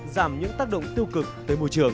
giảm những tác động tiêu cực tới môi trường